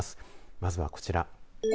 まずは、こちら。